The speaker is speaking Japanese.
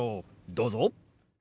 どうぞ。